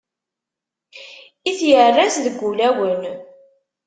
I tyerras deg ulawen.